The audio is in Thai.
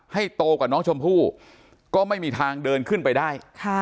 โตกว่าน้องชมพู่ก็ไม่มีทางเดินขึ้นไปได้